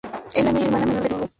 Es la medio-hermana menor de Lulu.